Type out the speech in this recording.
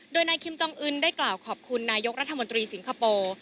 โดยนายคิมจองอึนได้กล่าวขอบคุณนายกรัฐมนตรีสิงคโปร์